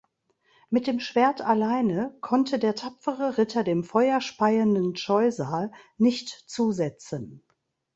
Mit dem Schwert alleine konnte der tapfere Ritter dem Feuer speienden Scheusal nicht zusetzen.